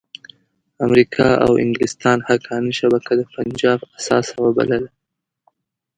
امریکا او انګلستان حقاني شبکه د پنجاب اثاثه وبلله.